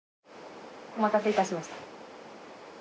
お待たせいたしました。